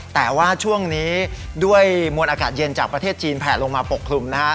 แต่ว่าช่วงนี้ด้วยมวลอากาศเย็นจากประเทศจีนแผลลงมาปกคลุมนะฮะ